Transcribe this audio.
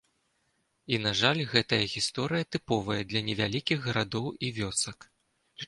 І, на жаль, гэтая гісторыя тыповая для невялікіх гарадоў і вёсак.